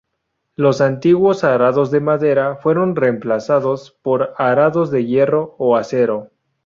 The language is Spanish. Los antiguos arados de madera fueron reemplazados por arados de hierro o acero.